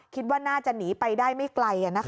คิดว่าน่าจะหนีไปได้ไม่ไกลอ่ะนะคะ